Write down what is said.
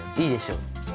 いいでしょ！